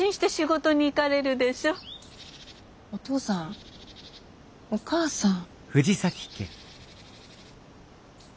お父さんお母さん。